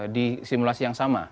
di simulasi yang sama